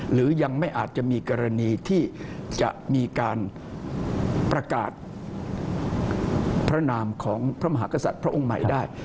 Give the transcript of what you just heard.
หรือยังไม่อาจจะมีกรณีที่จะมีการประกาศพระนามของพระมหากษัตริย์พระองค์ใหม่ได้